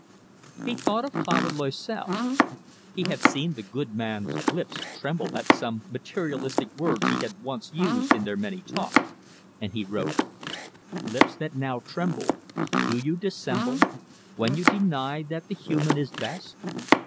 He thought of Father Loisel. He had seen the good man's lips tremble at some materialistic words he had once used in their many talks, and he wrote: "Lips that now tremble, Do you dissemble When you deny that the human is best?